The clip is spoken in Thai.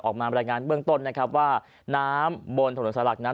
ออกมาบรรยายงานเบื้องต้นว่าน้ำบนถนนสระหลักนั้น